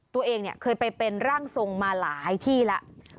ตัวเองเคยไปเป็นร่างทรงมาหลายที่แล้ว